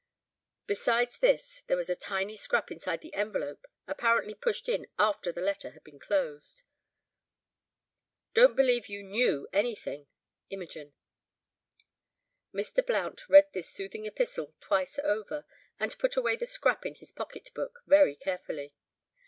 Besides this—there was a tiny scrap inside the envelope, apparently pushed in after the letter had been closed. "Don't believe you knew anything.—IMOGEN." Mr. Blount read this soothing epistle twice over and put away the scrap in his pocket book very carefully.